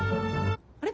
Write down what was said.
あれ？